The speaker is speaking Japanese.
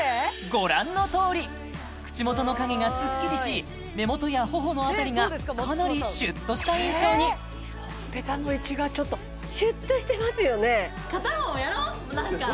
ご覧のとおり口元の影がスッキリし目元や頬の辺りがかなりシュッとした印象にほっぺたの位置がちょっとシュッとしてますよね